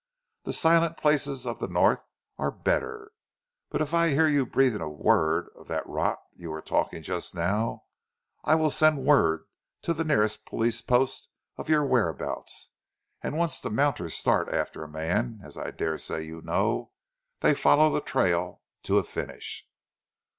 The silent places of the North are better; but if I hear of you breathing a word of that rot you were talking just now, I will send word to the nearest police post of your whereabouts, and once the mounters start after a man, as I daresay you know, they follow the trail to a finish."